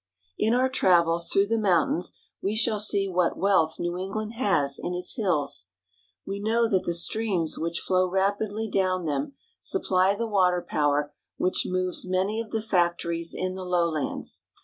In our travels through the mountains we shall see what wealth New England has in its hills. We know that the streams which flow rapidly down them supply the water power which moves many of the factories in the lowlands.